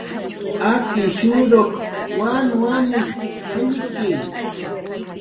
"Akishuruq wanwanit"" jallki"